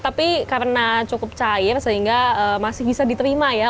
tapi karena cukup cair sehingga masih bisa diterima ya